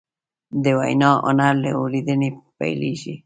د وینا هنر له اورېدنې پیلېږي